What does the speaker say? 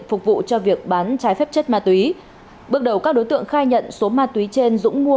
phục vụ cho việc bán trái phép chất ma túy bước đầu các đối tượng khai nhận số ma túy trên dũng mua